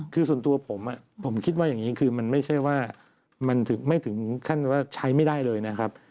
คือส่วนตัวผมผมคิดว่าอย่างนี้คือมันไม่ใช่ว่ามันไม่ถึงขั้นว่าใช้ไม่ได้เลยนะครับ